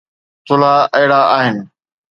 ٿلها اهڙا آهن